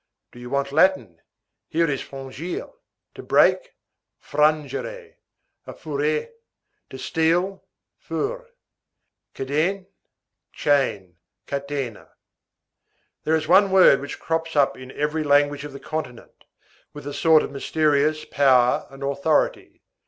Do you want Latin? Here is frangir, to break, frangere; affurer, to steal, fur; cadene, chain, catena. There is one word which crops up in every language of the continent, with a sort of mysterious power and authority.